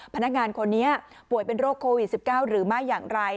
พนักงานคนนี้ป่วยเป็นโรคโควิด๑๙หรือไม่อย่างไร